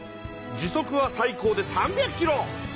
時速は最高で３００キロ。